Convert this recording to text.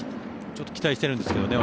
ちょっと私は期待してるんですけどね。